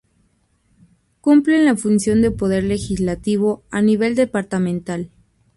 Cumplen la función del Poder Legislativo a nivel departamental.